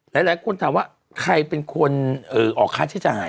หลายคนถามว่าใครเป็นคนออกค่าใช้จ่าย